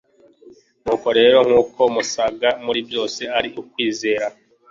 nuko rero nk uko musaga muri byose ari ukwizera